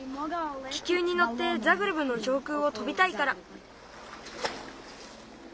気球にのってザグレブの上空を飛びたいから。